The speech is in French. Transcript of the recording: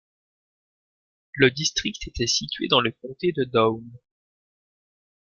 Le district était situé dans le comté de Down.